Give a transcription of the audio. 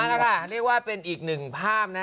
ละค่ะเรียกว่าเป็นอีกหนึ่งภาพนะ